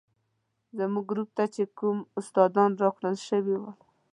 زموږ ګروپ ته چې کوم استادان راکړل شوي ول.